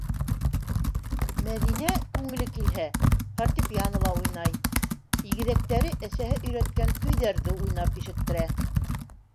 Мәҙинә, күңеле килһә, фортепьянола уйнай, игеҙәктәре әсәһе өйрәткән көйҙәрҙе уйнап ишеттерә.